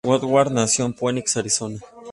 Woodward nació en Phoenix, Arizona.